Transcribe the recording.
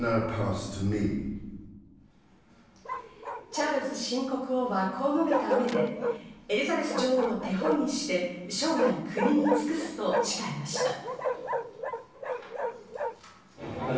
チャールズ新国王はこう述べた上で、エリザベス女王を手本にして生涯、国に尽くすと誓いました。